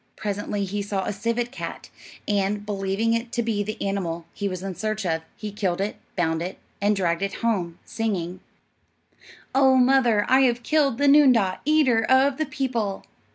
Presently he saw a civet cat, and, believing it to be the animal he was in search of, he killed it, bound it, and dragged it home, singing, "Oh, mother, I have killed The noondah, eater of the people."